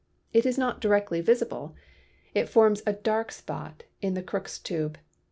It is not directly visible; it forms a dark spot in the Crookes tube.